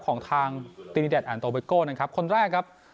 ของทางตินิเดชแอนโตเบโก้นะครับคนแรกครับ